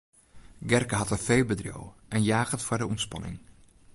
Gerke hat in feebedriuw en jaget foar de ûntspanning.